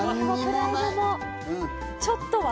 ちょっとは？